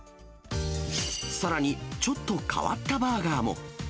さらにちょっと変わったバーガーも。